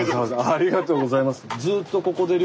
ありがとうございます。